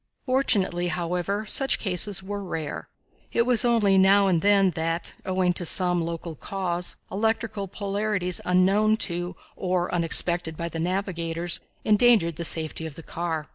Fortunately, however, such cases were rare. It was only now and then that, owing to some local cause, electrical polarities unknown to or unexpected by the navigators, endangered the safety of the car.